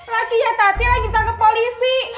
laki ya tati lagi ditangkap polisi